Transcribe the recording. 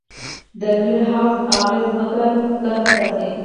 د ګرین هاوس اغېز ځمکه ګرمه ساتي.